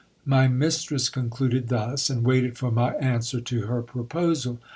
My mistress concluded thus, and waited for my answer to her proposal.